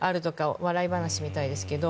笑い話みたいですけど。